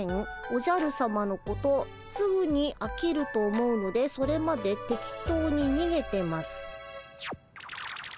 おじゃるさまのことすぐにあきると思うのでそれまで適当ににげてます」。